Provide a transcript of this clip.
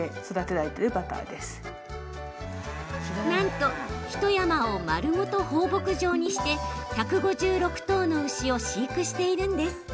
なんと、ひと山を丸ごと放牧場にして１５６頭の牛を飼育しているんです。